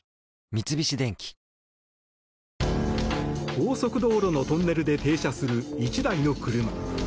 高速道路のトンネルで停車する１台の車。